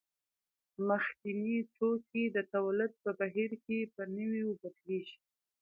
مخکیني توکي د تولید په بهیر کې په نویو بدلېږي